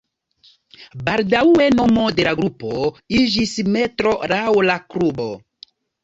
Baldaŭe nomo de la grupo iĝis Metro laŭ la klubo.